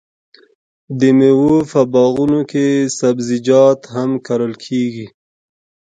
د میوو په باغونو کې سبزیجات هم کرل کیږي.